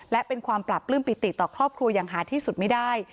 และเป็นความปราบปลื้มปิติต่อครอบครัวอย่างหาที่สุดไม่ได้